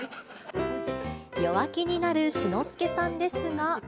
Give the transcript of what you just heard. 弱気になる志の輔さんですが。